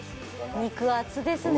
肉厚ですね。